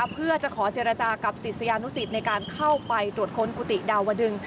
เพื่อจะขอเจรจากับศิษยานุสิตในการเข้าไปตรวจค้นกุฏิดาวดึง